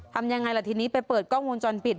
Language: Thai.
ทำยังไงล่ะทีนี้ไปเปิดกล้องวงจรปิด